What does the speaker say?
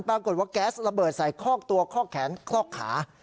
ปรากฏว่าแก๊สระเบิดใส่คอกตัวคอกแขนคลอกขา